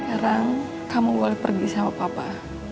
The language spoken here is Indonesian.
sekarang kamu boleh pergi sama papa